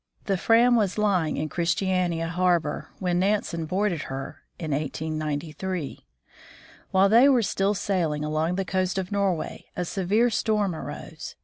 The Fram was lying in Christiania harbor when Nansen boarded her (1893). While they were still sailing along the coast of Norway, a severe storm arose.